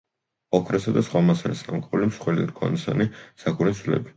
ოქროსა და სხვა მასალის სამკაული, მსხვილი რქოსანი საქონლის ძვლები.